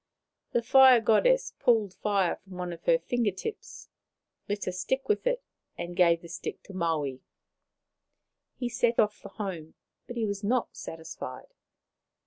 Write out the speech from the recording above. The Fire Goddess pulled fire from one of her finger tips, lit a stick with it, and gave the stick to Maui. He set off for home, but he was not satisfied.